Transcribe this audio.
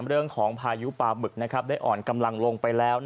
เรื่องของพายุปาบึกได้อ่อนกำลังลงไปแล้ว